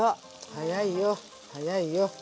早いよ早いよ。